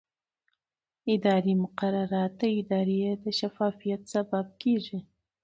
اداري مقررات د ادارې د شفافیت سبب کېږي.